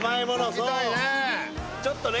そうちょっとね